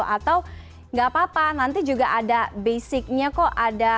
atau nggak apa apa nanti juga ada basic nya kok